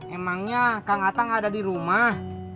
emangnya kang atang ada di rumah